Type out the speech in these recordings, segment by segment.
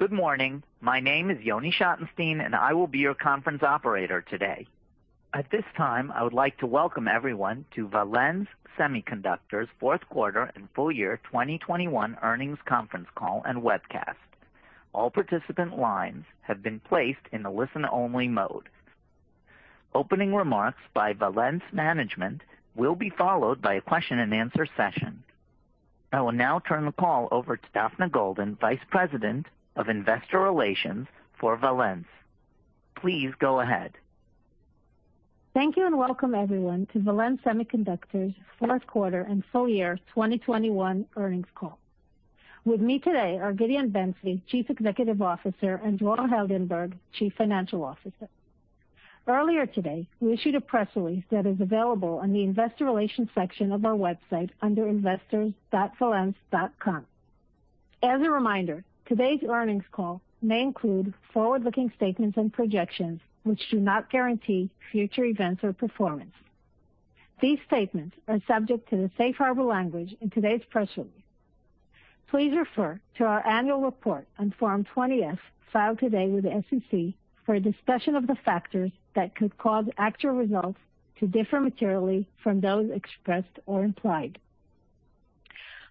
Good morning. My name is Yoni Schottenstein, and I will be your conference operator today. At this time, I would like to welcome everyone to Valens Semiconductor's Fourth Quarter and Full Year 2021 Earnings Conference Call and Webcast. All participant lines have been placed in a listen only mode. Opening remarks by Valens management will be followed by a question and answer session. I will now turn the call over to Daphna Golden, Vice President of Investor Relations for Valens. Please go ahead. Thank you and welcome everyone to Valens Semiconductor's Fourth Quarter and Full Year 2021 Earnings Call. With me today are Gideon Ben-Zvi, Chief Executive Officer, and Dror Heldenberg, Chief Financial Officer. Earlier today, we issued a press release that is available on the Investor Relations section of our website under investors.valens.com. As a reminder, today's earnings call may include forward-looking statements and projections which do not guarantee future events or performance. These statements are subject to the safe harbor language in today's press release. Please refer to our annual report on Form 20-F filed today with the SEC for a discussion of the factors that could cause actual results to differ materially from those expressed or implied.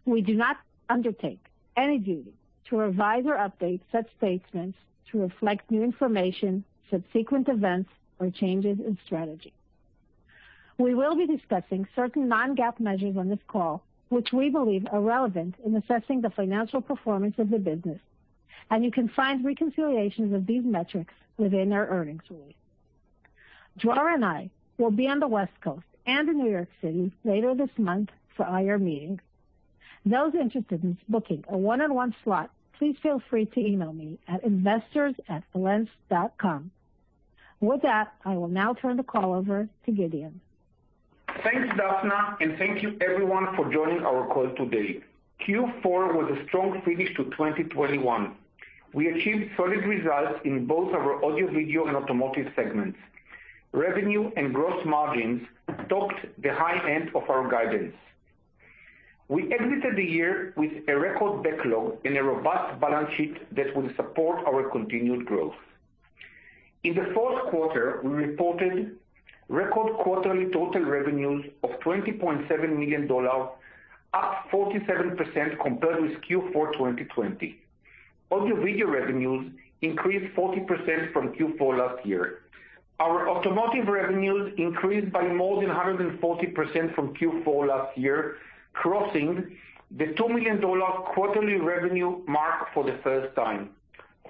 We do not undertake any duty to revise or update such statements to reflect new information, subsequent events, or changes in strategy. We will be discussing certain non-GAAP measures on this call, which we believe are relevant in assessing the financial performance of the business, and you can find reconciliations of these metrics within our earnings release. Dror and I will be on the West Coast and in New York City later this month for IR meetings. Those interested in booking a one-on-one slot, please feel free to email me at investors@valens.com. With that, I will now turn the call over to Gideon. Thanks, Daphna, and thank you everyone for joining our call today. Q4 was a strong finish to 2021. We achieved solid results in both our Audio-Video and Automotive segments. Revenue and gross margins topped the high end of our guidance. We exited the year with a record backlog and a robust balance sheet that will support our continued growth. In the fourth quarter, we reported record quarterly total revenues of $20.7 million, up 47% compared with Q4 2020. Audio-Video revenues increased 40% from Q4 last year. Our Automotive revenues increased by more than 140% from Q4 last year, crossing the $2 million quarterly revenue mark for the first time.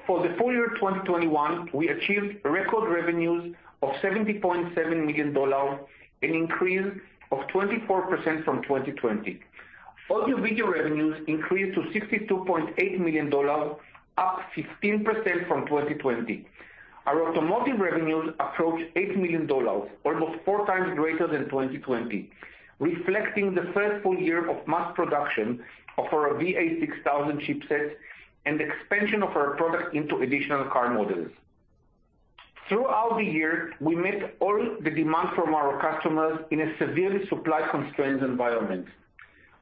For the full year 2021, we achieved record revenues of $70.7 million, an increase of 24% from 2020. Audio-Video revenues increased to $62.8 million, up 15% from 2020. Our Automotive revenues approached $8 million, almost 4x greater than 2020, reflecting the first full year of mass production of our VA6000 chipset and expansion of our product into additional car models. Throughout the year, we met all the demand from our customers in a severely supply-constrained environment.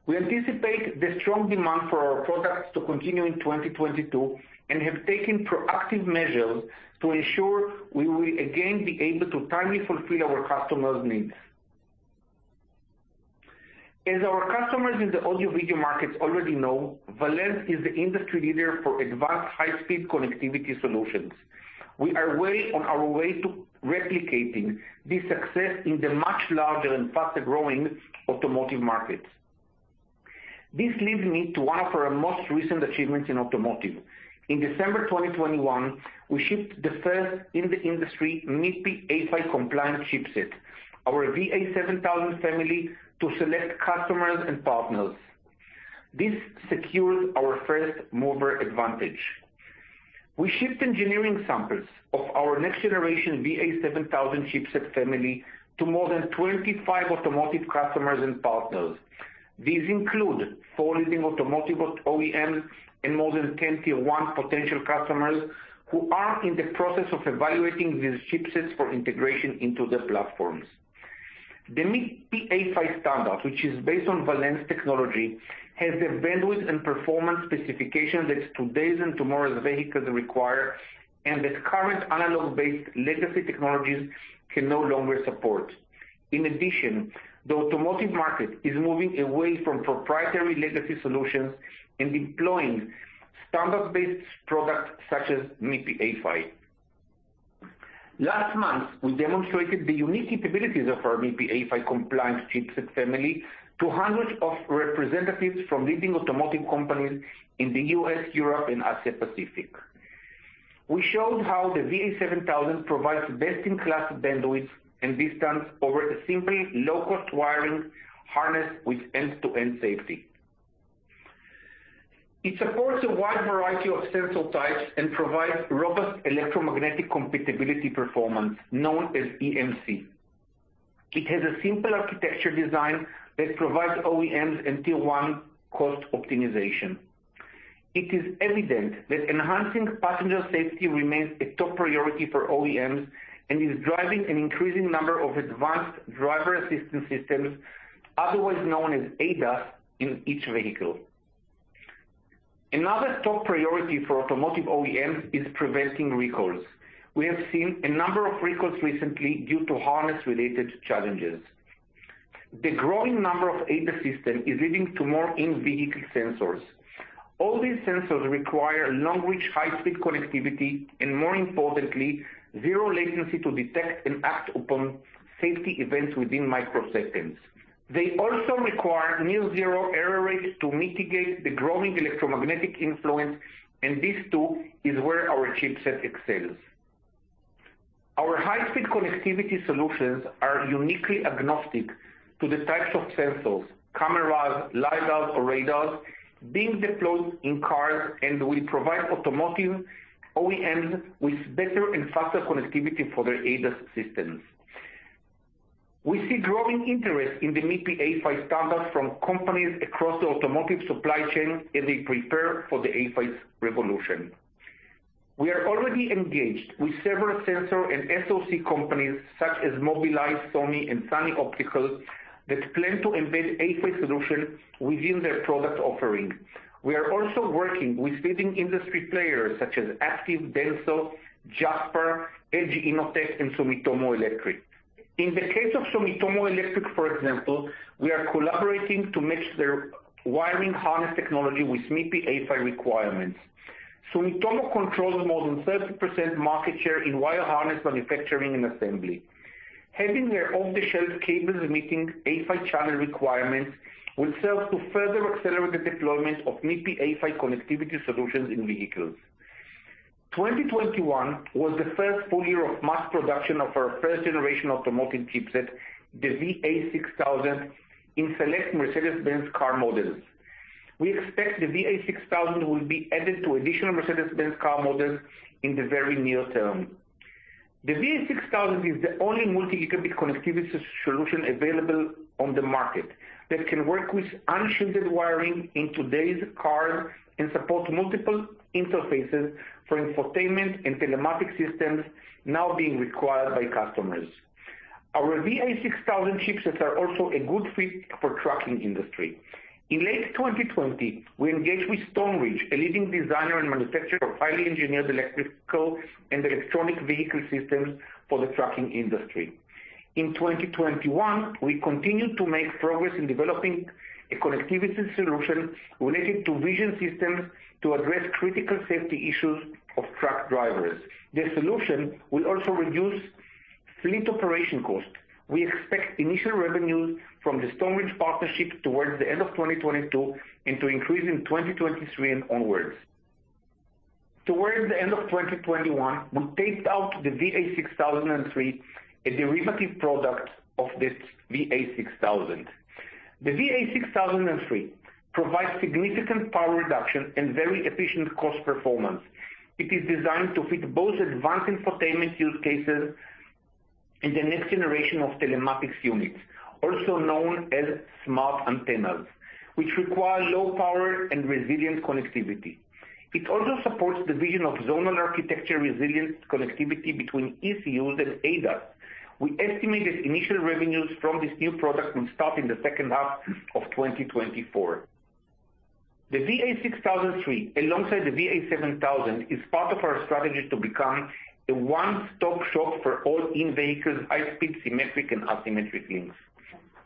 We anticipate the strong demand for our products to continue in 2022 and have taken proactive measures to ensure we will again be able to timely fulfill our customers' needs. As our customers in the audio-video markets already know, Valens is the industry leader for advanced high-speed connectivity solutions. We are well on our way to replicating this success in the much larger and faster-growing automotive markets. This leads me to one of our most recent achievements in automotive. In December 2021, we shipped the first in the industry MIPI A-PHY compliant chipset, our VA7000 family, to select customers and partners. This secures our first mover advantage. We shipped engineering samples of our next generation VA7000 chipset family to more than 25 automotive customers and partners. These include four leading automotive OEMs and more than 10 Tier 1 potential customers who are in the process of evaluating these chipsets for integration into their platforms. The MIPI A-PHY standard, which is based on Valens technology, has the bandwidth and performance specification that today's and tomorrow's vehicles require and that current analog-based legacy technologies can no longer support. In addition, the automotive market is moving away from proprietary legacy solutions and deploying standard-based products such as MIPI A-PHY. Last month, we demonstrated the unique capabilities of our MIPI A-PHY compliant chipset family to hundreds of representatives from leading automotive companies in the U.S., Europe, and Asia Pacific. We showed how the VA7000 provides best-in-class bandwidth and distance over a simple low-cost wiring harness with end-to-end safety. It supports a wide variety of sensor types and provides robust electromagnetic compatibility performance known as EMC. It has a simple architecture design that provides OEMs and Tier 1 cost optimization. It is evident that enhancing passenger safety remains a top priority for OEMs and is driving an increasing number of advanced driver assistance systems, otherwise known as ADAS, in each vehicle. Another top priority for automotive OEMs is preventing recalls. We have seen a number of recalls recently due to harness-related challenges. The growing number of ADAS systems is leading to more in-vehicle sensors. All these sensors require long reach, high speed connectivity, and more importantly, zero latency to detect and act upon safety events within microseconds. They also require near zero error rate to mitigate the growing electromagnetic influence, and this too is where our chipset excels. Our high speed connectivity solutions are uniquely agnostic to the types of sensors, cameras, lidars or radars being deployed in cars, and we provide automotive OEMs with better and faster connectivity for their ADAS systems. We see growing interest in the MIPI A-PHY standard from companies across the automotive supply chain as they prepare for the A-PHY revolution. We are already engaged with several sensor and SoC companies such as Mobileye, Sony, and Sunny Optical that plan to embed A-PHY solution within their product offering. We are also working with leading industry players such as Aptiv, Denso, JASPAR, LG Innotek and Sumitomo Electric. In the case of Sumitomo Electric, for example, we are collaborating to match their wiring harness technology with MIPI A-PHY requirements. Sumitomo controls more than 30% market share in wire harness manufacturing and assembly. Having their off-the-shelf cables meeting A-PHY channel requirements will serve to further accelerate the deployment of MIPI A-PHY connectivity solutions in vehicles. 2021 was the first full year of mass production of our 1st generation automotive chipset, the VA6000 in select Mercedes-Benz car models. We expect the VA6000 will be added to additional Mercedes-Benz car models in the very near term. The VA6000 is the only multi-gigabit connectivity solution available on the market that can work with unshielded wiring in today's cars and support multiple interfaces for infotainment and telematic systems now being required by customers. Our VA6000 chipsets are also a good fit for trucking industry. In late 2020, we engaged with Stoneridge, a leading designer and manufacturer of highly engineered electrical and electronic vehicle systems for the trucking industry. In 2021, we continued to make progress in developing a connectivity solution related to vision systems to address critical safety issues of truck drivers. The solution will also reduce fleet operation costs. We expect initial revenues from the Stoneridge partnership towards the end of 2022 and to increase in 2023 and onwards. Towards the end of 2021, we taped out the VA6003, a derivative product of this VA6000. The VA6003 provides significant power reduction and very efficient cost performance. It is designed to fit both advanced infotainment use cases and the next generation of telematics units, also known as smart antennas, which require low power and resilient connectivity. It also supports the vision of zonal architecture resilient connectivity between ECUs and ADAS. We estimated initial revenues from this new product will start in the second half of 2024. The VA6003, alongside the VA7000, is part of our strategy to become the one-stop shop for all in-vehicle high speed symmetric and asymmetric links.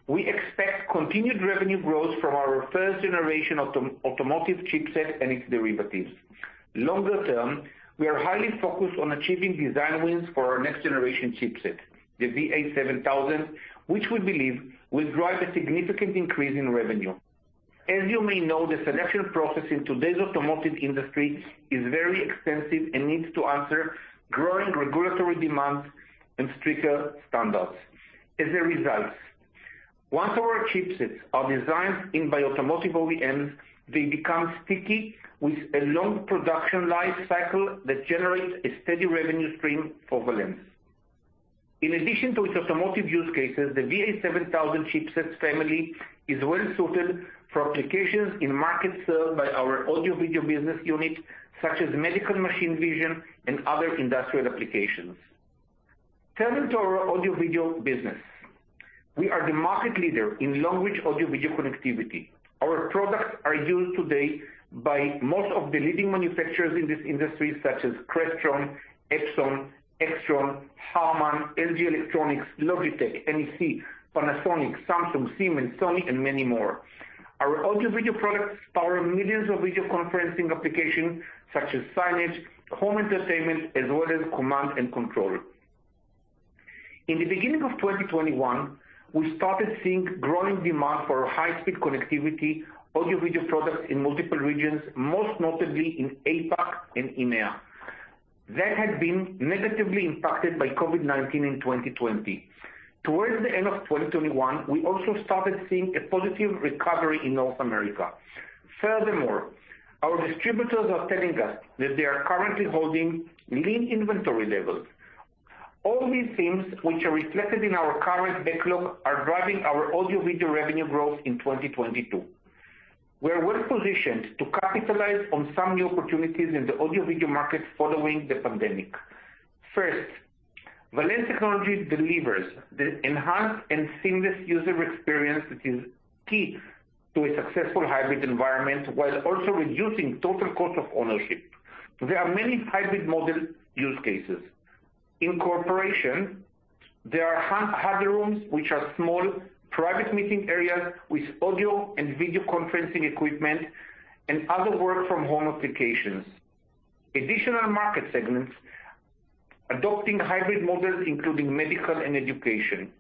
We expect continued revenue growth from our 1st generation automotive chipset and its derivatives. Longer term, we are highly focused on achieving design wins for our next generation chipset, the VA7000, which we believe will drive a significant increase in revenue. As you may know, the selection process in today's automotive industry is very extensive and needs to answer growing regulatory demands and stricter standards. As a result, once our chipsets are designed in by automotive OEMs, they become sticky with a long production life cycle that generates a steady revenue stream for Valens. In addition to its automotive use cases, the VA7000 chipsets family is well suited for applications in markets served by our audio-video business unit, such as medical machine vision and other industrial applications. Turning to our Audio-Video business. We are the market leader in long reach audio-video connectivity. Our products are used today by most of the leading manufacturers in this industry, such as Crestron, Epson, Extron, Harman, LG Electronics, Logitech, NEC, Panasonic, Samsung, Siemens, Sony, and many more. Our audio-video products power millions of video conferencing applications such as signage, home entertainment, as well as command and control. In the beginning of 2021, we started seeing growing demand for high speed connectivity audio-video products in multiple regions, most notably in APAC and EMEA. That had been negatively impacted by COVID-19 in 2020. Towards the end of 2021, we also started seeing a positive recovery in North America. Furthermore, our distributors are telling us that they are currently holding lean inventory levels. All these things which are reflected in our current backlog are driving our audio-video revenue growth in 2022. We are well positioned to capitalize on some new opportunities in the audio-video market following the pandemic. First, Valens technology delivers the enhanced and seamless user experience that is key to a successful hybrid environment, while also reducing total cost of ownership. There are many hybrid model use cases. In corporations, there are huddle rooms which are small private meeting areas with audio and video conferencing equipment and other work from home applications. Additional market segments adopting hybrid models, including medical and education.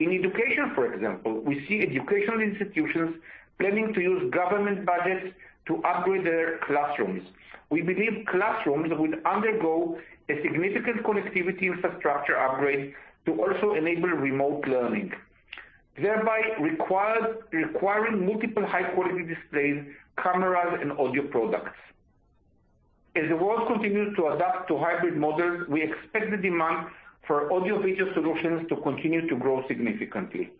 In education, for example, we see educational institutions planning to use government budgets to upgrade their classrooms. We believe classrooms will undergo a significant connectivity infrastructure upgrade to also enable remote learning, thereby requiring multiple high-quality displays, cameras and audio products. As the world continues to adapt to hybrid models, we expect the demand for audio-video solutions to continue to grow significantly.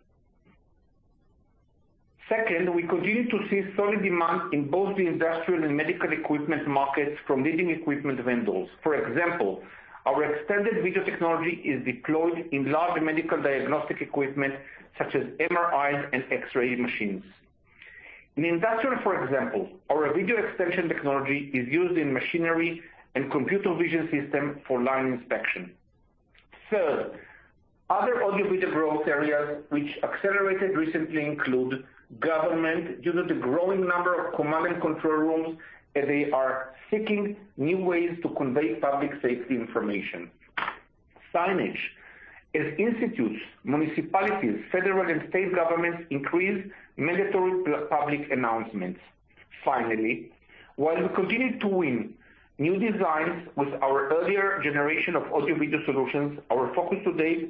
Second, we continue to see solid demand in both the industrial and medical equipment markets from leading equipment vendors. For example, our extended video technology is deployed in large medical diagnostic equipment such as MRIs and X-ray machines. In industrial, for example, our video extension technology is used in machinery and computer vision system for line inspection. Third, other audio-video growth areas which accelerated recently include government due to the growing number of command and control rooms as they are seeking new ways to convey public safety information, signage as institutions, municipalities, federal and state governments increase mandatory public announcements. Finally, while we continue to win new designs with our earlier generation of audio-video solutions, our focus today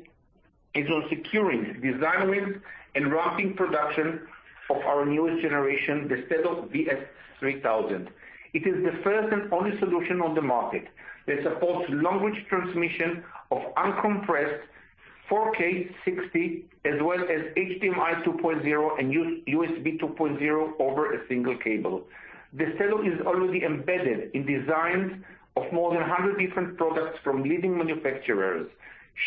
is on securing design wins and ramping production of our newest generation, The Stello VS3000. It is the first and only solution on the market that supports long-range transmission of uncompressed 4K 60Hz as well as HDMI 2.0 and USB 2.0 over a single cable. The Stello is already embedded in designs of more than 100 different products from leading manufacturers.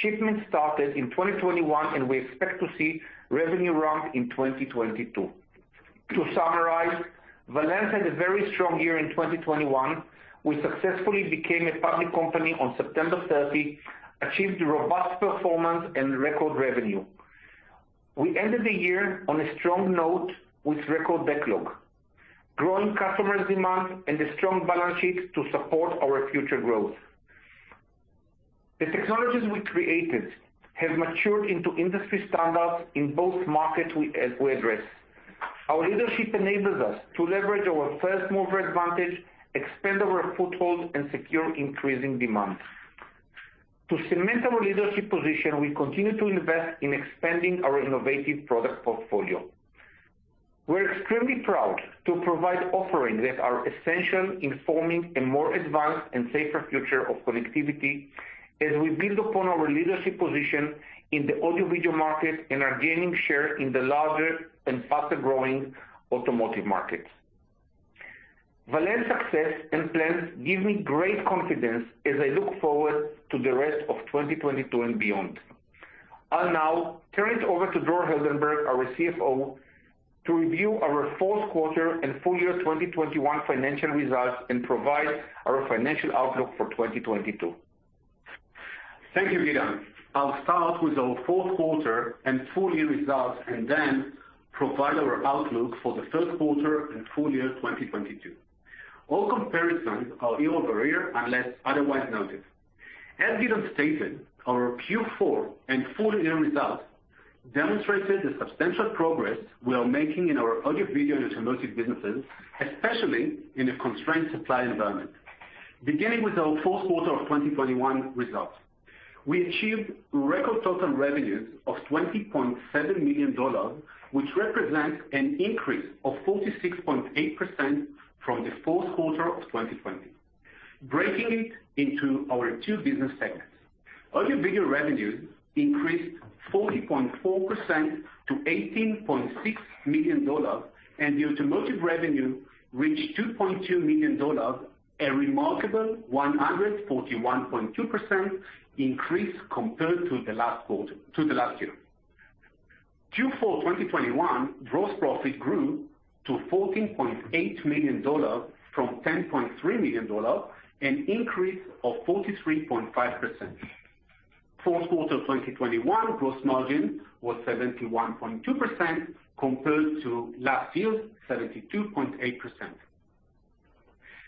Shipments started in 2021, and we expect to see revenue ramp in 2022. To summarize, Valens had a very strong year in 2021. We successfully became a public company on September 30, achieved robust performance and record revenue. We ended the year on a strong note with record backlog, growing customer demand and a strong balance sheet to support our future growth. The technologies we created have matured into industry standards in both markets we address. Our leadership enables us to leverage our first mover advantage, expand our foothold and secure increasing demand. To cement our leadership position, we continue to invest in expanding our innovative product portfolio. We're extremely proud to provide offerings that are essential in forming a more advanced and safer future of connectivity as we build upon our leadership position in the audio-video market and are gaining share in the larger and faster growing automotive market. Valens' success and plans give me great confidence as I look forward to the rest of 2022 and beyond. I'll now turn it over to Dror Heldenberg, our CFO, to review our fourth quarter and full year 2021 financial results and provide our financial outlook for 2022. Thank you, Gideon. I'll start with our fourth quarter and full year results and then provide our outlook for the first quarter and full year 2022. All comparisons are year-over-year, unless otherwise noted. As Gideon stated, our Q4 and full year results demonstrated the substantial progress we are making in our audio-video and automotive businesses, especially in a constrained supply environment. Beginning with our fourth quarter of 2021 results, we achieved record total revenues of $20.7 million, which represents an increase of 46.8% from the fourth quarter of 2020. Breaking it into our two business segments. Audio-video revenues increased 40.4% to $18.6 million, and automotive revenue reached $2.2 million, a remarkable 141.2% increase compared to the last year. Q4 2021 gross profit grew to $14.8 million from $10.3 million, an increase of 43.5%. Fourth quarter 2021 gross margin was 71.2% compared to last year's 72.8%.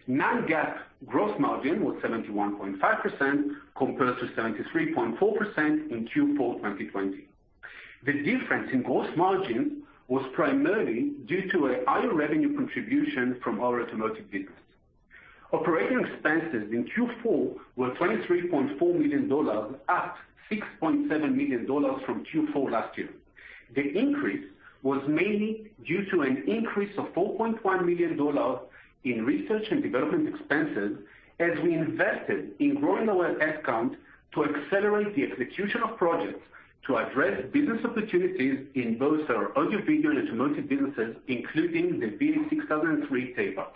Non-GAAP gross margin was 71.5% compared to 73.4% in Q4 2020. The difference in gross margin was primarily due to a higher revenue contribution from our automotive business. Operating expenses in Q4 were $23.4 million, up $6.7 million from Q4 last year. The increase was mainly due to an increase of $4.1 million in research and development expenses as we invested in growing our head count to accelerate the execution of projects to address business opportunities in both our audio-video and automotive businesses, including the VA6003 tape out.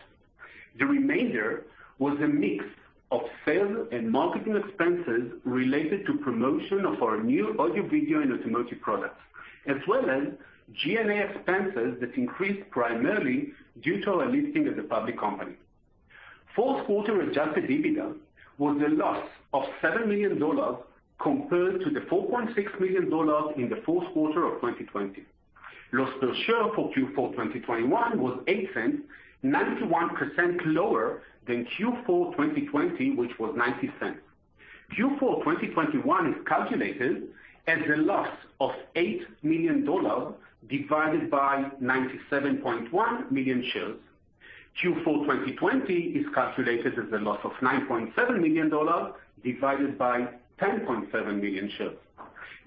The remainder was a mix of sales and marketing expenses related to promotion of our new audio-video and automotive products, as well as G&A expenses that increased primarily due to our listing as a public company. Fourth quarter adjusted EBITDA was a loss of $7 million compared to the $4.6 million in the fourth quarter of 2020. Loss per share for Q4 2021 was $0.08, 91% lower than Q4 2020, which was $0.90. Q4 2021 is calculated as a loss of $8 million divided by 97.1 million shares. Q4 2020 is calculated as a loss of $9.7 million divided by 10.7 million shares.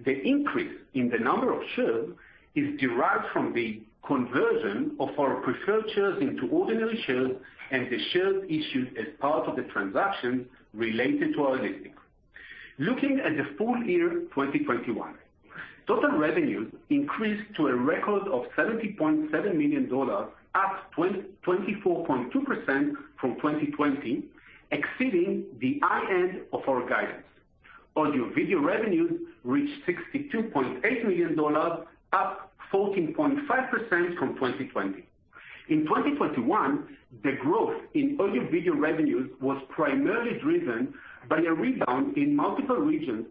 The increase in the number of shares is derived from the conversion of our preferred shares into ordinary shares and the shares issued as part of the transaction related to our listing. Looking at the full year 2021, total revenues increased to a record of $70.7 million, up 24.2% from 2020, exceeding the high end of our guidance. Audio-video revenues reached $62.8 million, up 14.5% from 2020. In 2021, the growth in audio-video revenues was primarily driven by a rebound in multiple regions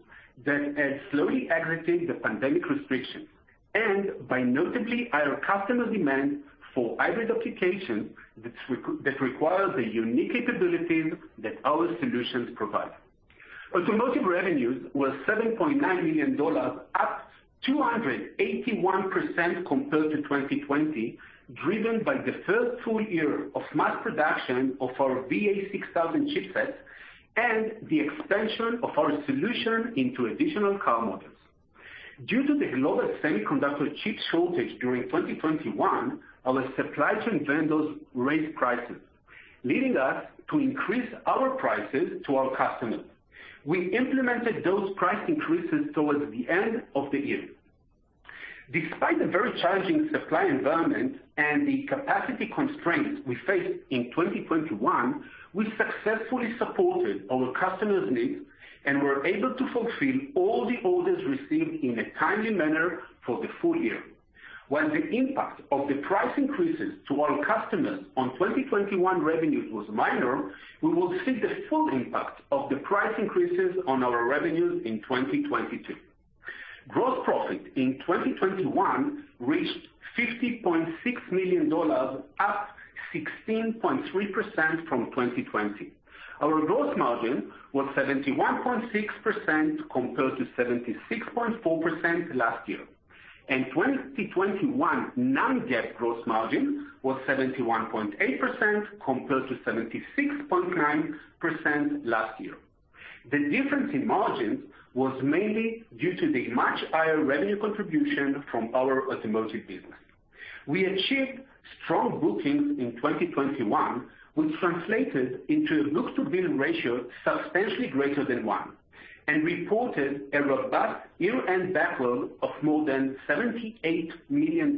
that had slowly exited the pandemic restrictions, and by notably higher customer demand for hybrid applications that require the unique capabilities that our solutions provide. Automotive revenues were $7.9 million, up 281% compared to 2020, driven by the first full year of mass production of our VA6000 chipsets and the expansion of our solution into additional car models. Due to the global semiconductor chip shortage during 2021, our supply chain vendors raised prices, leading us to increase our prices to our customers. We implemented those price increases towards the end of the year. Despite the very challenging supply environment and the capacity constraints we faced in 2021, we successfully supported our customers' needs and were able to fulfill all the orders received in a timely manner for the full year. While the impact of the price increases to our customers on 2021 revenues was minor, we will see the full impact of the price increases on our revenues in 2022. Gross profit in 2021 reached $50.6 million, up 16.3% from 2020. Our gross margin was 71.6% compared to 76.4% last year. 2021 non-GAAP gross margin was 71.8% compared to 76.9% last year. The difference in margins was mainly due to the much higher revenue contribution from our automotive business. We achieved strong bookings in 2021, which translated into a book-to-bill ratio substantially greater than one, and reported a robust year-end backlog of more than $78 million,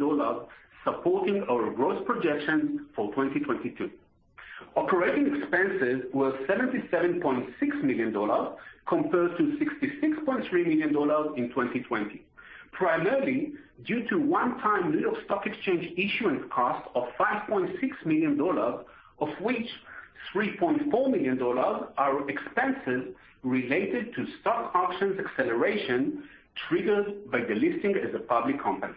supporting our growth projections for 2022. Operating expenses were $77.6 million compared to $66.3 million in 2020, primarily due to one-time New York Stock Exchange issuance cost of $5.6 million, of which $3.4 million are expenses related to stock options acceleration triggered by the listing as a public company.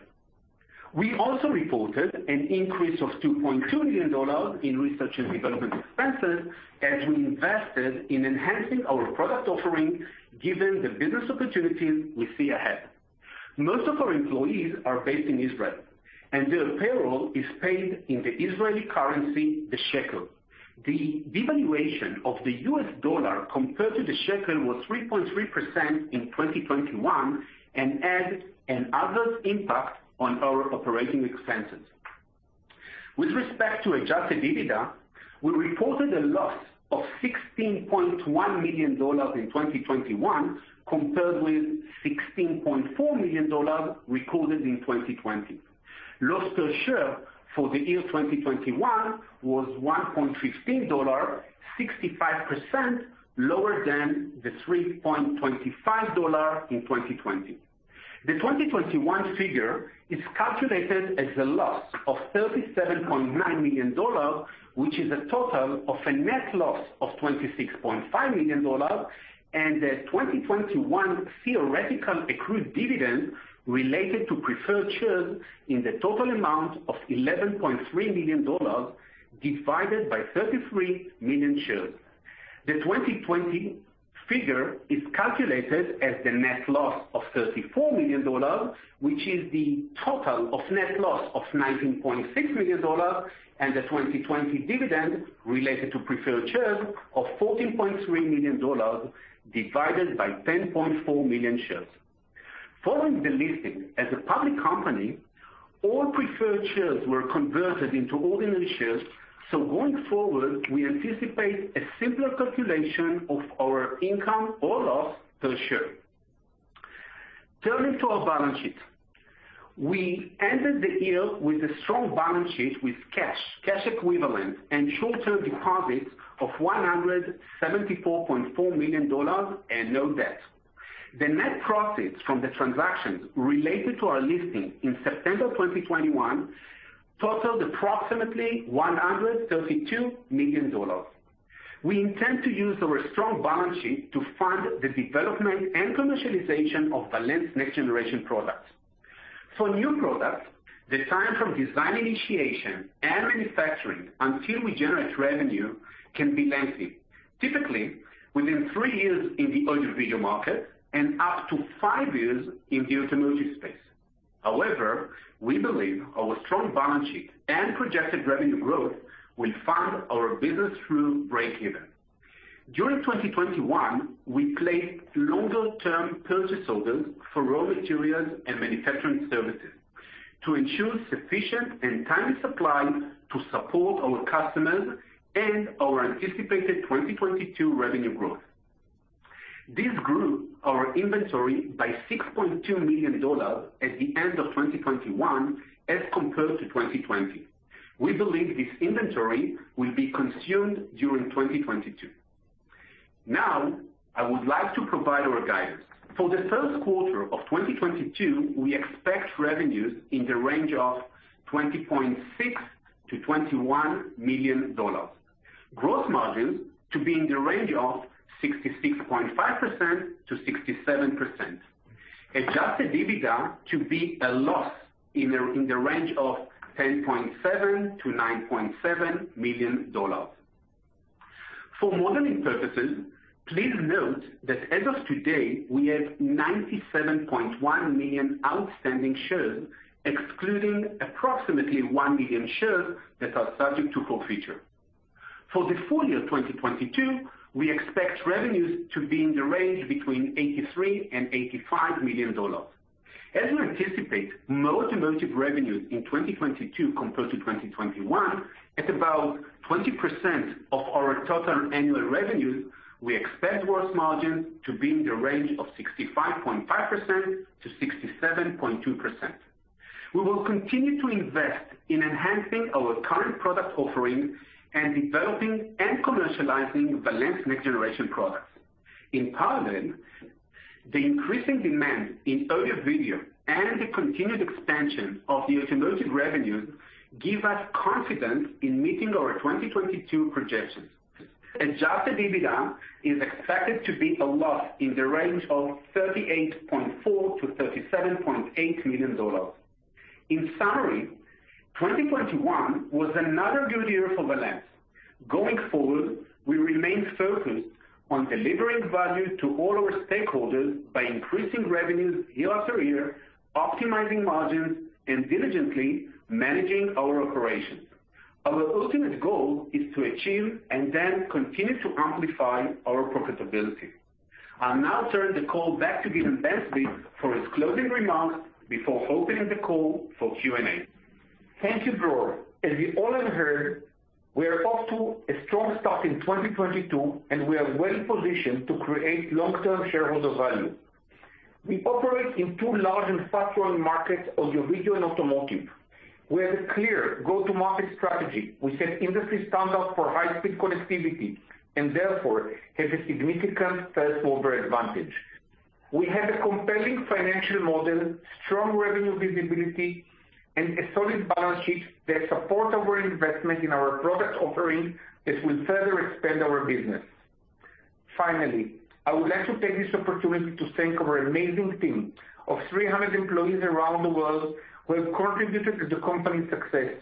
We also reported an increase of $2.2 million in research and development expenses as we invested in enhancing our product offering given the business opportunities we see ahead. Most of our employees are based in Israel, and their payroll is paid in the Israeli currency, the shekel. The devaluation of the US dollar compared to the shekel was 3.3% in 2021 and had an adverse impact on our operating expenses. With respect to adjusted EBITDA, we reported a loss of $16.1 million in 2021, compared with $16.4 million recorded in 2020. Loss per share for the year 2021 was $1.15, 65% lower than the $3.25 in 2020. The 2021 figure is calculated as a loss of $37.9 million, which is a total of a net loss of $26.5 million, and the 2021 theoretical accrued dividend related to preferred shares in the total amount of $11.3 million divided by 33 million shares. The 2020 figure is calculated as the net loss of $34 million, which is the total of net loss of $19.6 million and the 2020 dividend related to preferred shares of $14.3 million divided by 10.4 million shares. Following the listing as a public company, all preferred shares were converted into ordinary shares. Going forward, we anticipate a simpler calculation of our income or loss per share. Turning to our balance sheet. We ended the year with a strong balance sheet with cash equivalents, and short-term deposits of $174.4 million and no debt. The net proceeds from the transactions related to our listing in September 2021 totaled approximately $132 million. We intend to use our strong balance sheet to fund the development and commercialization of Valens' next generation products. For new products, the time from design initiation and manufacturing until we generate revenue can be lengthy, typically within 3 years in the audio-video market and up to 5 years in the automotive space. However, we believe our strong balance sheet and projected revenue growth will fund our business through break-even. During 2021, we placed longer term purchase orders for raw materials and manufacturing services to ensure sufficient and timely supply to support our customers and our anticipated 2022 revenue growth. This grew our inventory by $6.2 million at the end of 2021 as compared to 2020. We believe this inventory will be consumed during 2022. Now, I would like to provide our guidance. For the first quarter of 2022, we expect revenues in the range of $20.6 million-$21 million. Gross margins to be in the range of 66.5%-67%. Adjusted EBITDA to be a loss in the range of $10.7 million to $9.7 million. For modeling purposes, please note that as of today, we have 97.1 million outstanding shares, excluding approximately 1 million shares that are subject to forfeiture. For the full year 2022, we expect revenues to be in the range between $83 million and $85 million. As we anticipate more automotive revenues in 2022 compared to 2021, at about 20% of our total annual revenues, we expect gross margin to be in the range of 65.5%-67.2%. We will continue to invest in enhancing our current product offering and developing and commercializing Valens' next generation products. In parallel, the increasing demand in audio-video and the continued expansion of the automotive revenues give us confidence in meeting our 2022 projections. Adjusted EBITDA is expected to be a loss in the range of $38.4 million-$37.8 million. In summary, 2021 was another good year for Valens. Going forward, we remain focused on delivering value to all our stakeholders by increasing revenues year after year, optimizing margins, and diligently managing our operations. Our ultimate goal is to achieve and then continue to amplify our profitability. I'll now turn the call back to Gideon Ben-Zvi for his closing remarks before opening the call for Q&A. Thank you, Dror. As you all have heard, we are off to a strong start in 2022, and we are well positioned to create long-term shareholder value. We operate in two large and fast-growing markets, audio-video and automotive. We have a clear go-to-market strategy. We set industry standard for high speed connectivity and therefore have a significant first mover advantage. We have a compelling financial model, strong revenue visibility, and a solid balance sheet that support our investment in our product offering that will further expand our business. Finally, I would like to take this opportunity to thank our amazing team of 300 employees around the world who have contributed to the company's success.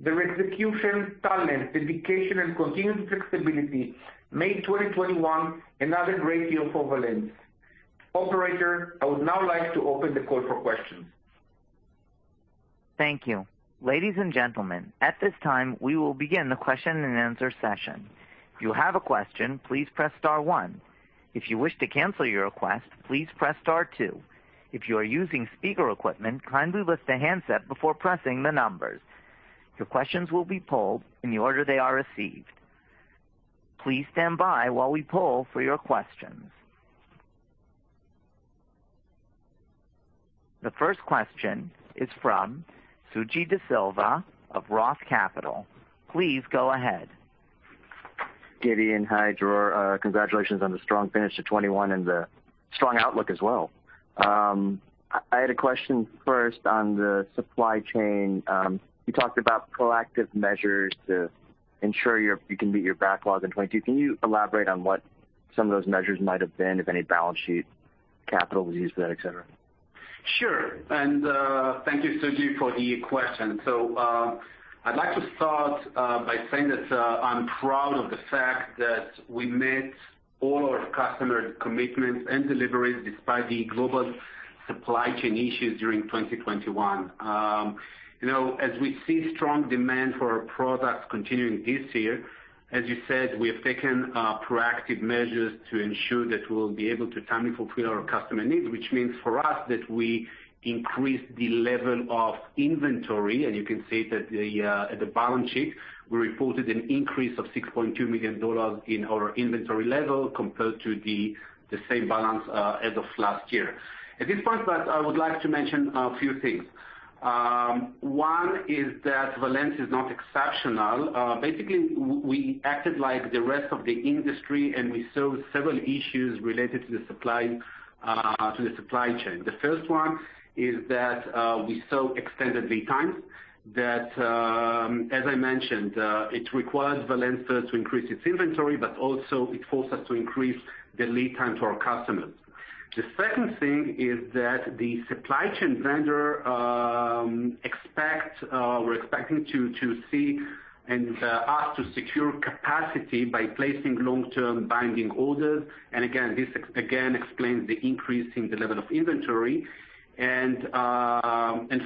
Their execution, talent, dedication, and continued flexibility made 2021 another great year for Valens. Operator, I would now like to open the call for questions. Thank you. Ladies and gentlemen, at this time, we will begin the question and answer session. If you have a question, please press star one. If you wish to cancel your request, please press star two. If you are using speaker equipment, kindly lift the handset before pressing the numbers. Your questions will be polled in the order they are received. Please stand by while we poll for your questions. The first question is from Suji Desilva of Roth Capital. Please go ahead. Gideon, hi. Dror, congratulations on the strong finish to 2021 and the strong outlook as well. I had a question first on the supply chain. You talked about proactive measures to ensure you can meet your backlog in 2022. Can you elaborate on what some of those measures might have been, if any balance sheet capital was used for that, et cetera? Sure. Thank you, Suji, for the question. I'd like to start by saying that I'm proud of the fact that we met all our customer commitments and deliveries despite the global supply chain issues during 2021. You know, as we see strong demand for our products continuing this year, as you said, we have taken proactive measures to ensure that we'll be able to timely fulfill our customer needs, which means for us that we increase the level of inventory. You can see that at the balance sheet, we reported an increase of $6.2 million in our inventory level compared to the same balance as of last year. At this point, but I would like to mention a few things. One is that Valens is not a Exceptional. Basically, we acted like the rest of the industry, and we saw several issues related to the supply chain. The first one is that we saw extended lead times that, as I mentioned, it required Valens to increase its inventory, but also it forced us to increase the lead time to our customers. The second thing is that the supply chain vendors expect us to secure capacity by placing long-term binding orders. This explains the increase in the level of inventory. Finally,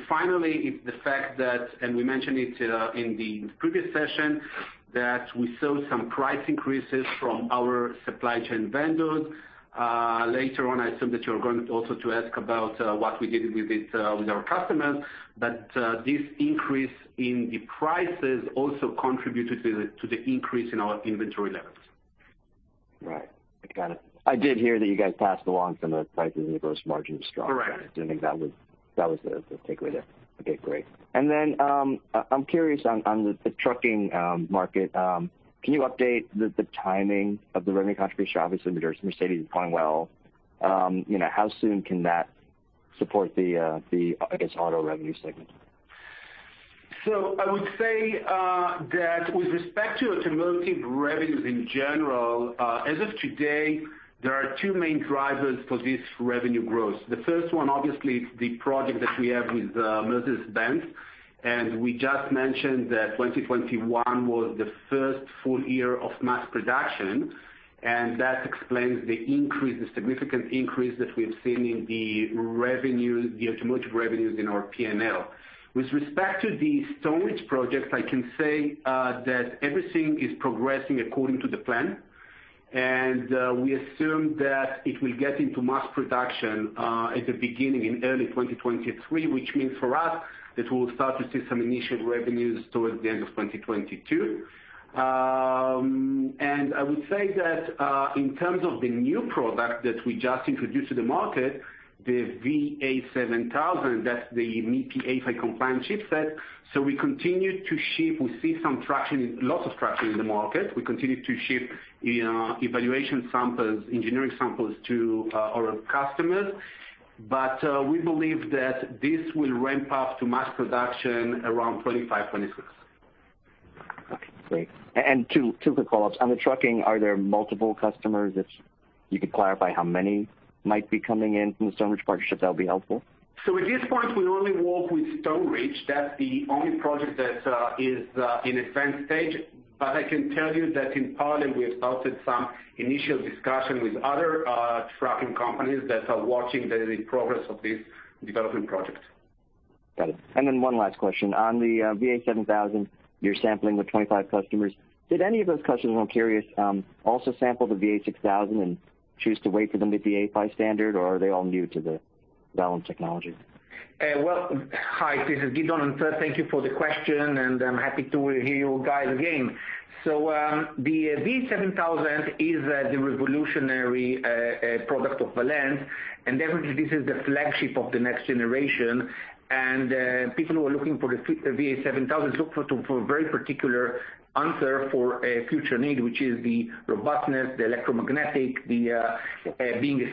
it's the fact that we mentioned it in the previous session, that we saw some price increases from our supply chain vendors. Later on, I assume that you're going also to ask about what we did with it with our customers, but this increase in the prices also contributed to the increase in our inventory levels. Right. I got it. I did hear that you guys passed along some of the prices and the gross margin was strong. Correct. I think that was the takeaway there. Okay, great. I'm curious on the trucking market, can you update the timing of the revenue contribution? Obviously, the Mercedes is going well. You know, how soon can that support the, I guess, auto revenue segment? I would say that with respect to automotive revenues in general, as of today, there are two main drivers for this revenue growth. The first one, obviously, is the project that we have with Mercedes-Benz, and we just mentioned that 2021 was the first full year of mass production, and that explains the increase, the significant increase that we have seen in the revenue, the automotive revenues in our P&L. With respect to the Stoneridge project, I can say that everything is progressing according to the plan, and we assume that it will get into mass production at the beginning in early 2023, which means for us that we'll start to see some initial revenues towards the end of 2022. I would say that, in terms of the new product that we just introduced to the market, the VA7000, that's the MIPI A-PHY compliant chipset. We continue to ship. We see some traction, lots of traction in the market. We continue to ship evaluation samples, engineering samples to our customers. We believe that this will ramp up to mass production around 2025-2026. Okay, great. Two quick follow-ups. On the trucking, are there multiple customers? If you could clarify how many might be coming in from the Stoneridge partnerships, that would be helpful. At this point, we only work with Stoneridge. That's the only project that is in advanced stage. I can tell you that in parallel, we have started some initial discussion with other trucking companies that are watching the progress of this development project. Got it. One last question. On the VA7000, you're sampling with 25 customers. Did any of those customers, I'm curious, also sample the VA6000 and choose to wait for the MIPI A-PHY standard, or are they all new to the Valens technology? Well, hi, this is Gideon. Sir, thank you for the question, and I'm happy to hear you guys again. The VA7000 is the revolutionary product of Valens, and definitely this is the flagship of the next generation. People who are looking for the VA7000 look for a very particular answer for a future need, which is the robustness, the electromagnetic, being a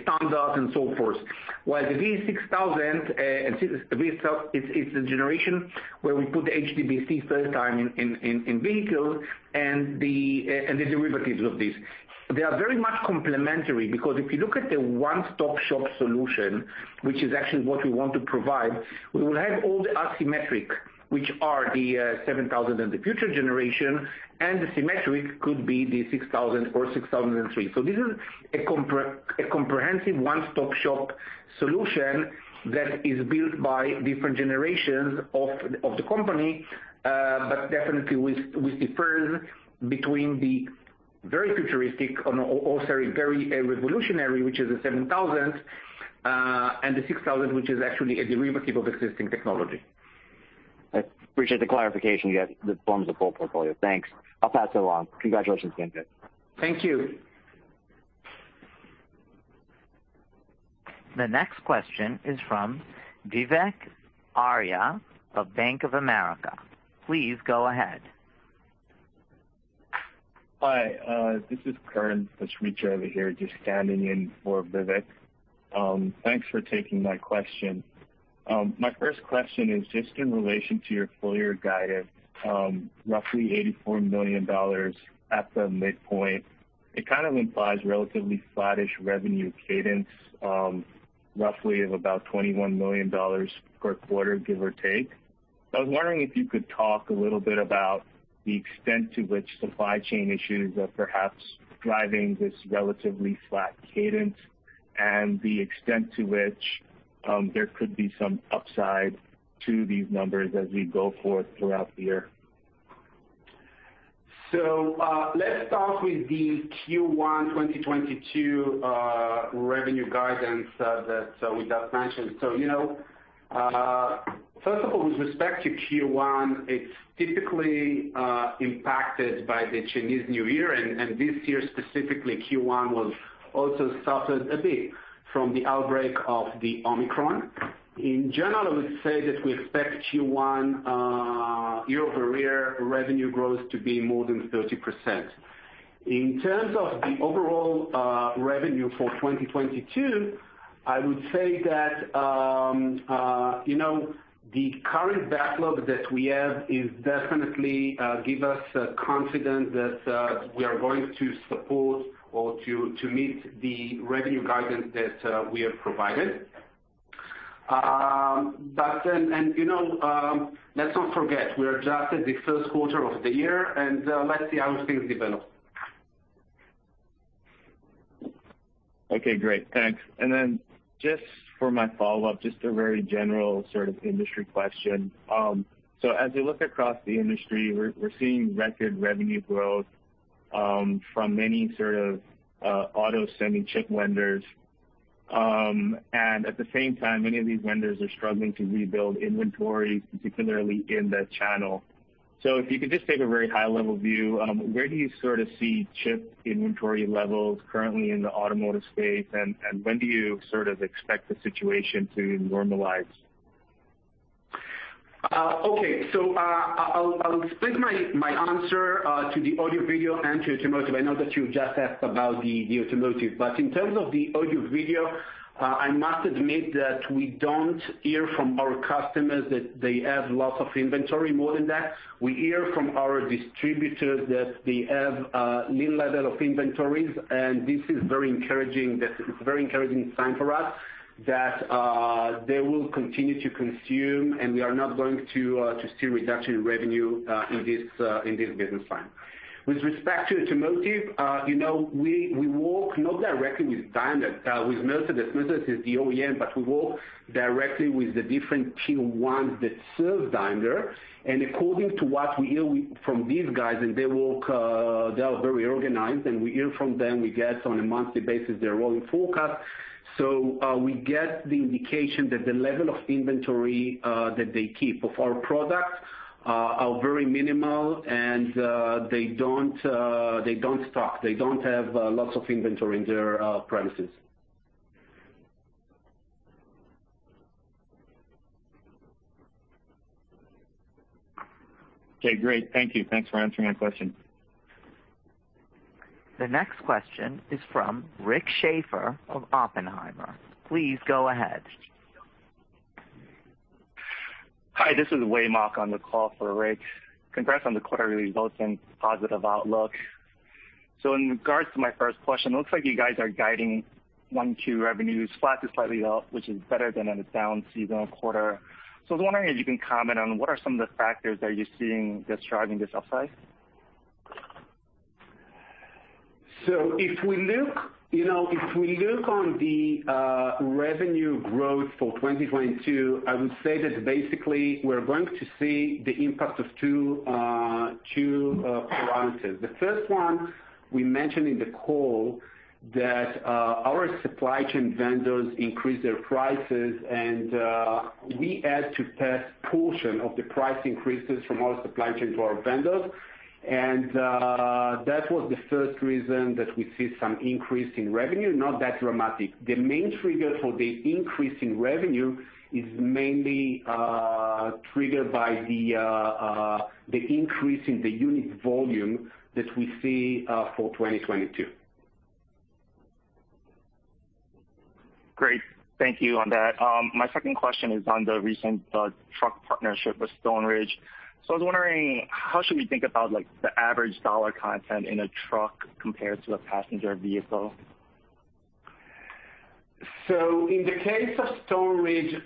standard and so forth. While the VA6000, and since the VA itself is a generation where we put the HDBaseT third time in vehicles and the derivatives of this. They are very much complementary because if you look at the one-stop-shop solution, which is actually what we want to provide, we will have all the asymmetric, which are the VA7000 and the future generation, and the symmetric could be the VA6000 or VA6003. This is a comprehensive one-stop-shop solution that is built by different generations of the company, but definitely with difference between the very futuristic and also very revolutionary, which is the VA7000, and the VA6000, which is actually a derivative of existing technology. I appreciate the clarification. You have the firm's full portfolio. Thanks. I'll pass it along. Congratulations again, guys. Thank you. The next question is from Vivek Arya of Bank of America. Please go ahead. Hi, this is [Karan Srichavi] here, just standing in for Vivek. Thanks for taking my question. My first question is just in relation to your full year guidance, roughly $84 million at the midpoint. It kind of implies relatively flattish revenue cadence, roughly of about $21 million per quarter, give or take. I was wondering if you could talk a little bit about the extent to which supply chain issues are perhaps driving this relatively flat cadence and the extent to which there could be some upside to these numbers as we go forth throughout the year. Let's start with the Q1 2022 revenue guidance that we just mentioned. You know, first of all, with respect to Q1, it's typically impacted by the Chinese New Year. This year specifically, Q1 was also suffered a bit from the outbreak of the Omicron. In general, I would say that we expect Q1 year-over-year revenue growth to be more than 30%. In terms of the overall revenue for 2022, I would say that, you know, the current backlog that we have is definitely give us confidence that we are going to support or to meet the revenue guidance that we have provided. You know, let's not forget we are just at the first quarter of the year and let's see how things develop. Okay, great. Thanks. Just for my follow-up, just a very general sort of industry question. As we look across the industry, we're seeing record revenue growth from many sort of auto semi chip vendors. At the same time, many of these vendors are struggling to rebuild inventory, particularly in the channel. If you could just take a very high level view, where do you sort of see chip inventory levels currently in the automotive space? When do you sort of expect the situation to normalize? Okay. I'll split my answer to the audio-video and to automotive. I know that you just asked about the automotive. In terms of the audio-video, I must admit that we don't hear from our customers that they have lots of inventory. More than that, we hear from our distributors that they have lean level of inventories, and this is very encouraging. That it's a very encouraging sign for us that they will continue to consume, and we are not going to see reduction in revenue in this business line. With respect to automotive, you know, we work not directly with Daimler, with Mercedes. Mercedes is the OEM, but we work directly with the different Tier 1 that serve Daimler. According to what we hear with... From these guys, and they work, they are very organized, and we hear from them. We get on a monthly basis their rolling forecast. We get the indication that the level of inventory that they keep of our products are very minimal. They don't stock, they don't have lots of inventory in their premises. Okay, great. Thank you. Thanks for answering my question. The next question is from Rick Schafer of Oppenheimer. Please go ahead. Hi, this is Wei Mok on the call for Rick. Congrats on the quarter results and positive outlook. In regards to my first question, it looks like you guys are guiding 1Q revenues flat to slightly up, which is better than in a down seasonal quarter. I was wondering if you can comment on what are some of the factors that you're seeing that's driving this upside? If we look, you know, on the revenue growth for 2022, I would say that basically we're going to see the impact of two parameters. The first one we mentioned in the call that our supply chain vendors increased their prices, and we had to pass portion of the price increases from our supply chain to our customers. That was the first reason that we see some increase in revenue, not that dramatic. The main trigger for the increase in revenue is mainly triggered by the increase in the unit volume that we see for 2022. Great. Thank you on that. My second question is on the recent truck partnership with Stoneridge. I was wondering, how should we think about like the average dollar content in a truck compared to a passenger vehicle? In the case of Stoneridge,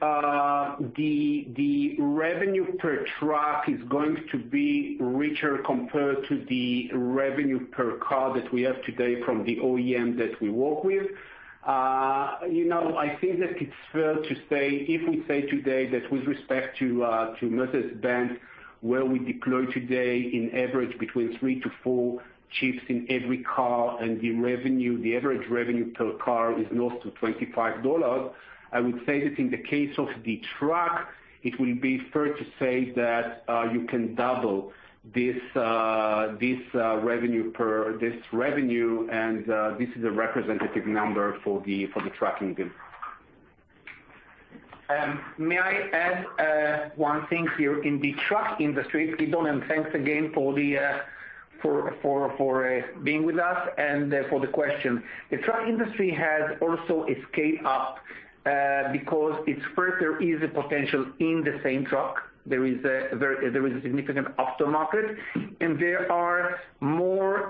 the revenue per truck is going to be richer compared to the revenue per car that we have today from the OEM that we work with. You know, I think that it's fair to say if we say today that with respect to Mercedes-Benz, where we deploy today on average between 3-4 chips in every car, and the average revenue per car is close to $25. I would say that in the case of the truck, it will be fair to say that you can double this revenue, and this is a representative number for the trucking business. May I add one thing here. In the truck industry, Gideon, and thanks again for being with us and for the question. The truck industry has also scaled up because there's further potential in the same truck. There is a significant aftermarket, and there are more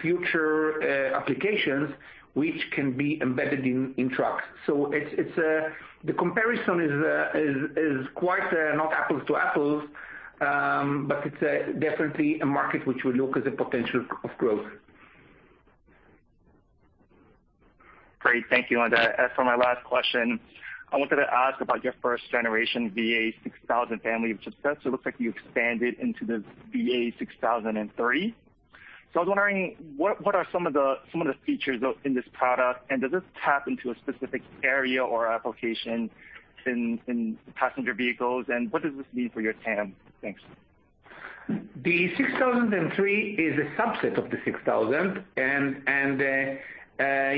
future applications which can be embedded in trucks. It's that the comparison is not quite apples to apples, but it's definitely a market which we look at as a potential for growth. Great. Thank you. For my last question, I wanted to ask about your 1st generation VA6000 family of success. It looks like you expanded into the VA6003. So I was wondering what are some of the features of this product, and does this tap into a specific area or application in passenger vehicles? What does this mean for your TAM? Thanks. The VA6003 is a subset of the VA6000.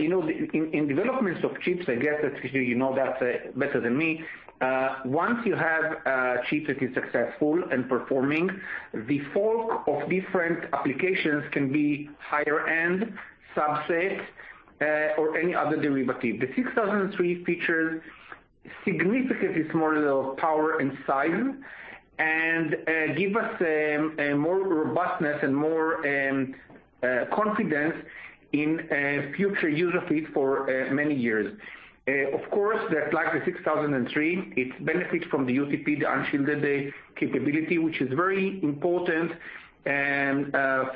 You know, in developments of chips, I guess, especially you know that better than me, once you have a chip that is successful in performing, the fork of different applications can be higher end subset or any other derivative. The VA6003 features significantly smaller power and size and give us a more robustness and more confidence in a future use of it for many years. Of course, like the VA6003, it benefits from the UTP, the unshielded capability, which is very important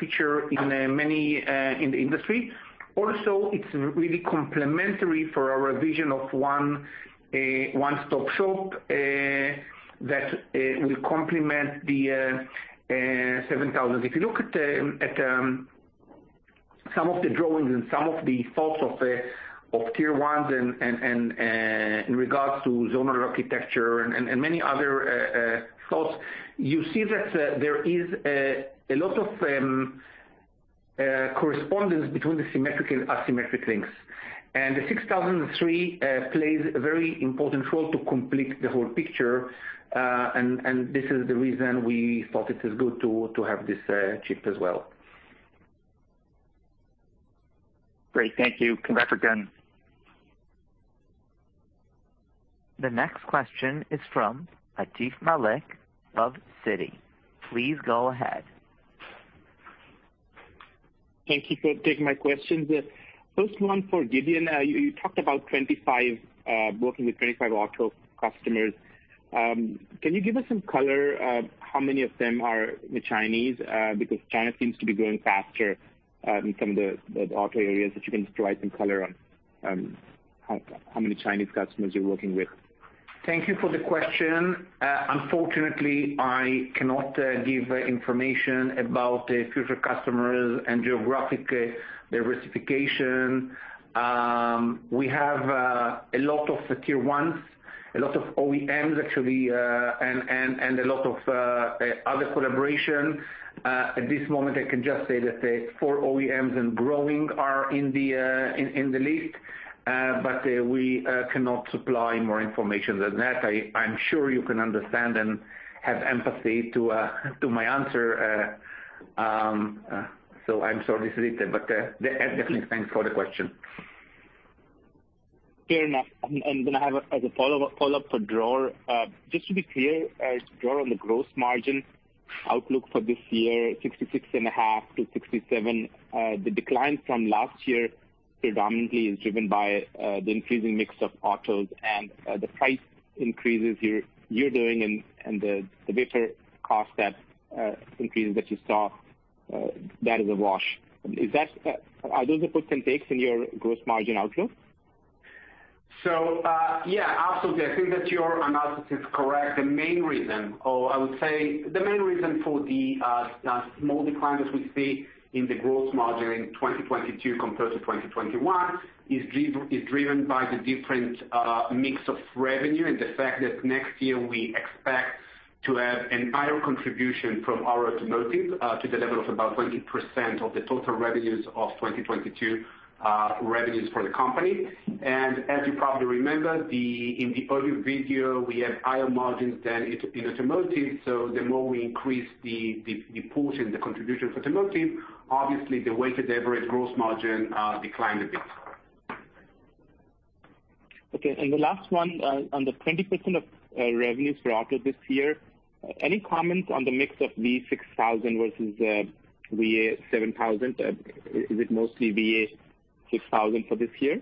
feature in many in the industry. Also, it's really complementary for our vision of one-stop shop that will complement the VA7000. If you look at some of the drawings and some of the thoughts of Tier 1s and in regards to zonal architecture and many other thoughts, you see that there is a lot of correspondence between the symmetric and asymmetric links. The VA6003 plays a very important role to complete the whole picture. This is the reason we thought it is good to have this chip as well. Great. Thank you. Yeah. Congrats again. The next question is from Atif Malik of Citi. Please go ahead. Thank you for taking my questions. First one for Gideon. You talked about 25 working with 25 auto customers. Can you give us some color of how many of them are the Chinese? Because China seems to be growing faster in some of the auto areas, if you can just provide some color on how many Chinese customers you're working with. Thank you for the question. Unfortunately, I cannot give information about the future customers and geographic diversification. We have a lot of the Tier 1s, a lot of OEMs, actually, and a lot of other collaboration. At this moment, I can just say that the four OEMs and growing are in the list, but we cannot supply more information than that. I'm sure you can understand and have empathy to my answer. I'm sorry for it, but definitely thanks for the question. Fair enough. I'm gonna have a follow-up for Dror. Just to be clear, Dror, on the gross margin outlook for this year, 66.5%-67%. The decline from last year predominantly is driven by the increasing mix of autos and the price increases you're doing and the data cost increases that you saw, that is a wash. Are those the puts and takes in your gross margin outlook? Yeah, absolutely. I think that your analysis is correct. The main reason or I would say the main reason for the small decline that we see in the gross margin in 2022 compared to 2021 is driven by the different mix of revenue and the fact that next year we expect to have a higher contribution from our automotive to the level of about 20% of the total revenues of 2022 revenues for the company. As you probably remember, in the audio-video, we have higher margins than in automotive. The more we increase the portion, the contribution for automotive, obviously, the weighted average gross margin declined a bit. Okay. The last one, on the 20% of revenues for auto this year. Any comments on the mix of the VA6000 versus the VA7000? Is it mostly VA6000 for this year?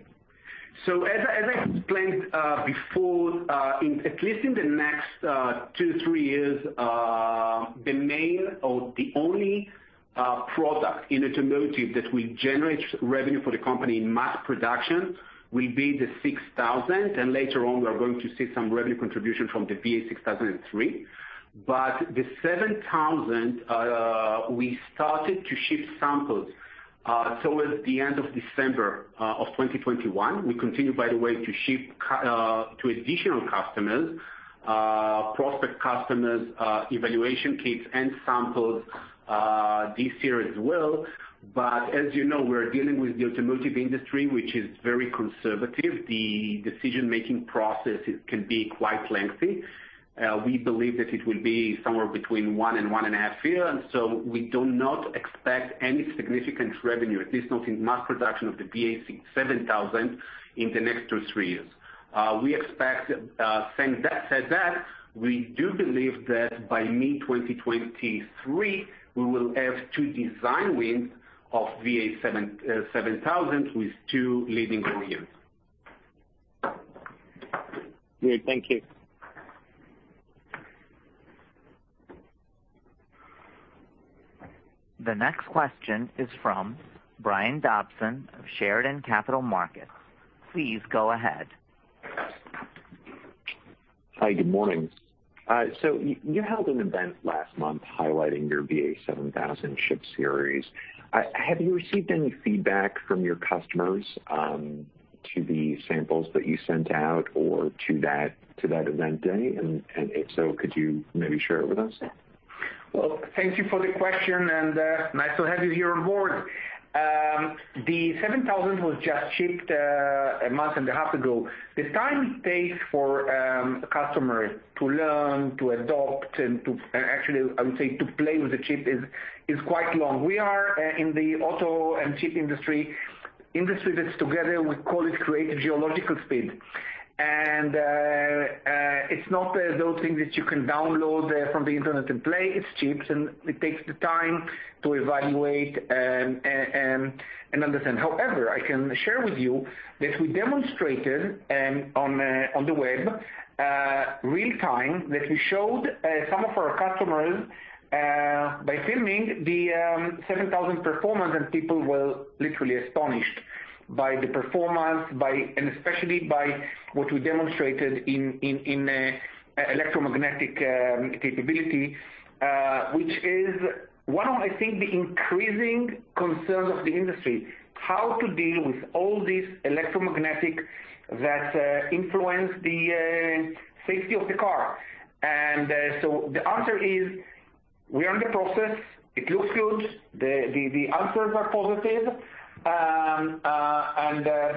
I explained before, at least in the next 2-3 years, the main or the only product in automotive that will generate revenue for the company in mass production will be the VA6000. Later on we are going to see some revenue contribution from the VA6003. The VA7000, we started to ship samples towards the end of December 2021. We continue, by the way, to ship to additional customers, prospective customers, evaluation kits and samples this year as well. As you know, we're dealing with the automotive industry, which is very conservative. The decision-making processes can be quite lengthy. We believe that it will be somewhere between 1 and 1.5 years, so we do not expect any significant revenue, at least not in mass production of the VA7000 in the next 2-3 years. That said, we do believe that by mid-2023, we will have 2 design wins of VA7000 with 2 leading OEMs. Great. Thank you. The next question is from Brian Dobson of Chardan Capital Markets. Please go ahead. Hi, good morning. You held an event last month highlighting your VA7000 chip series. Have you received any feedback from your customers to the samples that you sent out or to that event day? If so, could you maybe share it with us? Well, thank you for the question and, nice to have you here on board. The VA7000 was just shipped a month and a half ago. The time it takes for customers to learn, to adopt and to actually, I would say, to play with the chip is quite long. We are in the auto and chip industry that's together we call it glacial speed. It's not those things that you can download from the internet and play. It's chips, and it takes time to evaluate and understand. However, I can share with you that we demonstrated on the web real time that we showed some of our customers by filming the VA7000 performance, and people were literally astonished by the performance, and especially by what we demonstrated in EMC capability, which is one of, I think, the increasing concern of the industry, how to deal with all this EMC that influence the safety of the car. The answer is we are in the process. It looks good. The answers are positive.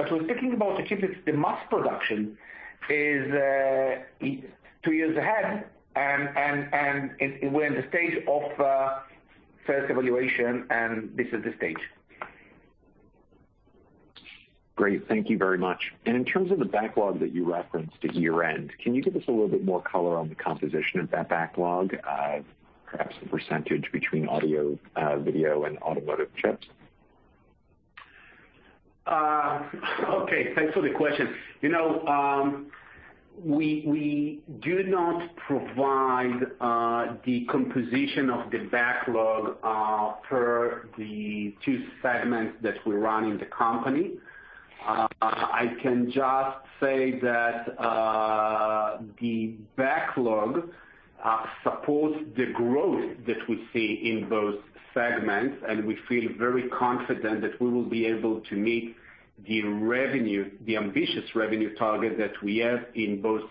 We're thinking about the chips. The mass production is two years ahead. We're in the stage of first evaluation, and this is the stage. Great. Thank you very much. In terms of the backlog that you referenced at year-end, can you give us a little bit more color on the composition of that backlog, perhaps the percentage between audio-video and automotive chips? Okay. Thanks for the question. You know, we do not provide the composition of the backlog per the two segments that we run in the company. I can just say that the backlog supports the growth that we see in those segments, and we feel very confident that we will be able to meet the revenue, the ambitious revenue target that we have in both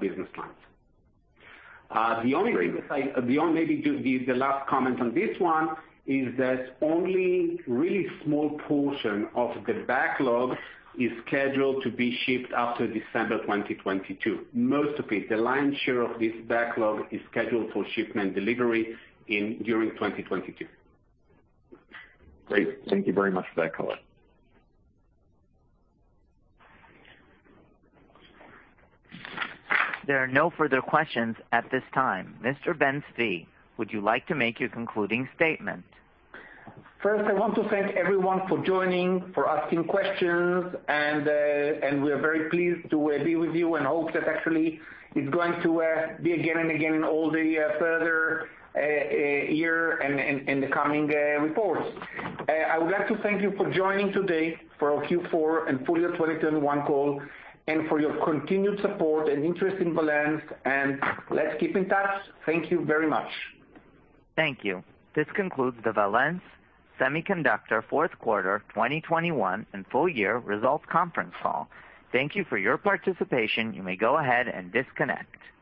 business lines. The only thing. Great. Last comment on this one is that only really small portion of the backlog is scheduled to be shipped after December 2022. Most of it, the lion's share of this backlog is scheduled for shipment delivery during 2022. Great. Thank you very much for that color. There are no further questions at this time. Mr. Ben-Zvi, would you like to make your concluding statement? First, I want to thank everyone for joining, for asking questions, and we're very pleased to be with you and hope that actually it's going to be again and again in all the further year and the coming reports. I would like to thank you for joining today for our Q4 and full year 2021 call and for your continued support and interest in Valens, and let's keep in touch. Thank you very much. Thank you. This concludes the Valens Semiconductor Fourth Quarter 2021 and Full Year Results Conference Call. Thank you for your participation. You may go ahead and disconnect.